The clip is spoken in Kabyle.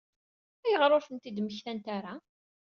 Ayɣer ur tent-id-mmektant ara?